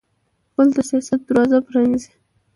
غول د حساسیت دروازه پرانیزي.